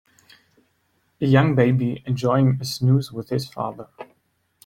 A young baby enjoying a snooze with his father.